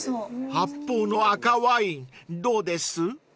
［発泡の赤ワインどうです？］